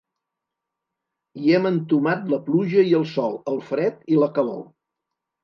Hi hem entomat la pluja i el sol, el fred i la calor.